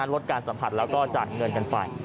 ลดการสัมผัสแล้วก็จ่ายเงินกันไป